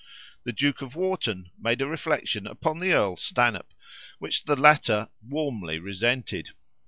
The Duke of Wharton made a reflection upon the Earl Stanhope, which the latter warmly resented.